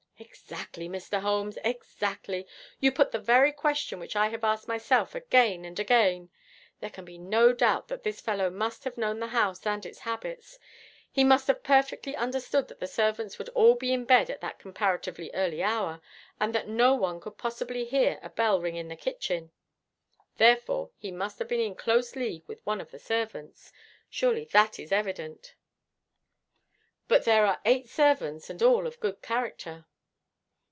'Exactly, Mr. Holmes, exactly. You put the very question which I have asked myself again and again. There can be no doubt that this fellow must have known the house and its habits. He must have perfectly understood that the servants would all be in bed at that comparatively early hour, and that no one could possibly hear a bell ring in the kitchen. Therefore, he must have been in close league with one of the servants. Surely that is evident. But there are eight servants, and all of good character.'